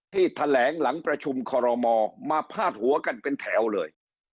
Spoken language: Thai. ที่แถลงหลังประชุมคอรมอมาพาดหัวกันเป็นแถวเลย